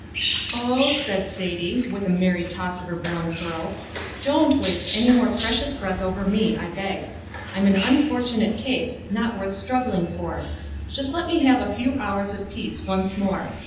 "Oh," said Sadie, with a merry toss of her brown curls, "don't waste any more precious breath over me, I beg. I'm an unfortunate case, not worth struggling for. Just let me have a few hours of peace once more.